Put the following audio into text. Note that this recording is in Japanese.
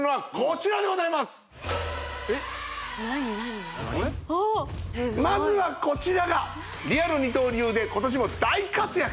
すごいまずはこちらがリアル二刀流で今年も大活躍